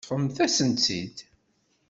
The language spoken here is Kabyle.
Ṭṭfemt-asent-tt-id.